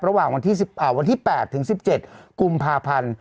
ระหว่างวันที่๘ถึง๑๗กุมภาพันธ์